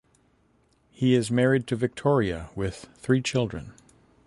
He is married to Victoria with three children.